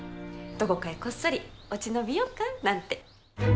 どこかへこっそり落ち延びようかなんて。